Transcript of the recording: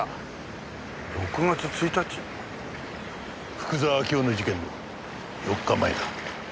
福沢明夫の事件の４日前だ。